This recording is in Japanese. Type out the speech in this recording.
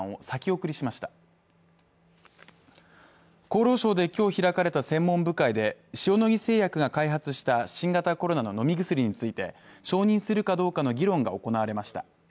厚労省で今日開かれた専門部会で塩野義製薬が開発した新型コロナの飲み薬について承認するかどうかの議論が行われました。